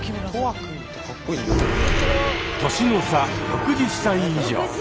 年の差６０歳以上！